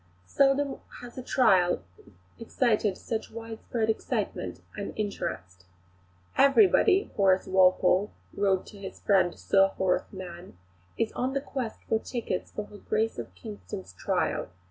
Seldom has a trial excited such widespread excitement and interest. "Everybody," Horace Walpole wrote to his friend Sir Horace Mann, "is on the quest for tickets for her Grace of Kingston's trial.